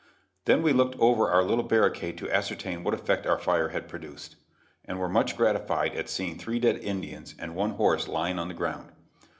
Then we looked over our little barricade to ascertain what effect our fire had produced, and were much gratified at seeing three dead Indians and one horse lying on the ground.